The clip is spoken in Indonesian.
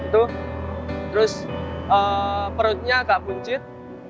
terus perutnya nggak buncit